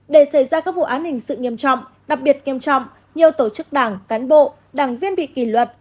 để xảy ra các vụ án hình sự nghiêm trọng đặc biệt nghiêm trọng nhiều tổ chức đảng cán bộ đảng viên bị kỷ luật